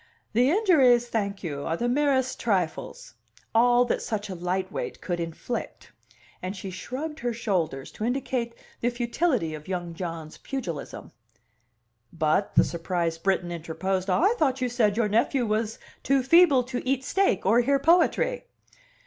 "The injuries, thank you, are the merest trifles all that such a light weight could inflict." And she shrugged her shoulders to indicate the futility of young John's pugilism. "But," the surprised Briton interposed, "I thought you said your nephew was too feeble to eat steak or hear poetry."